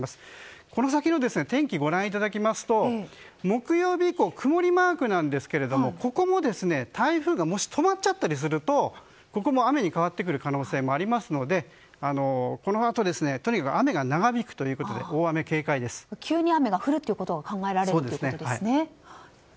この先の天気ご覧いただきますと木曜日以降曇りマークなんですがここも台風がもし止まっちゃったりするとここも雨に変わってくる可能性もありますのでこのあと、とにかく雨が長引くということで急に雨が降ることが考えられるんですね。